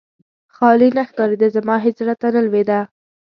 خالي نه ښکارېده، زما هېڅ زړه ته نه لوېده.